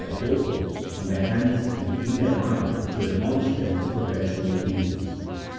their door posts, on their hands, and between their eyes to admonish them to perpetual obedience.